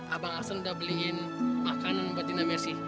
abang asen udah beliin makanan buat dinda mercy